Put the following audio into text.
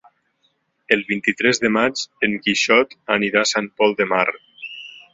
El vint-i-tres de maig en Quixot anirà a Sant Pol de Mar.